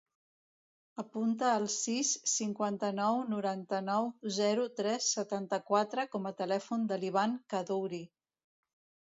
Apunta el sis, cinquanta-nou, noranta-nou, zero, tres, setanta-quatre com a telèfon de l'Ivan Kaddouri.